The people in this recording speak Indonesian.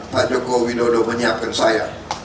pak joko widodo menyiapkan saya